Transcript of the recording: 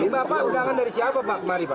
ini bapak undangan dari siapa pak kemarin pak